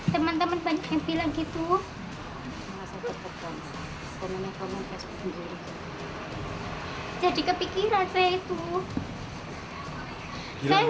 teman teman banyak yang bilang gitu